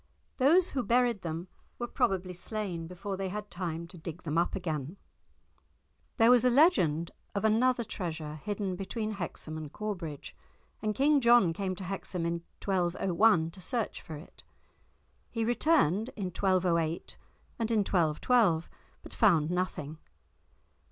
Those who buried them were probably slain before they had time to dig them up again. There was a legend of another treasure hidden between Hexham and Corbridge, and King John came to Hexham in 1201 to search for it. He returned in 1208 and in 1212, but found nothing.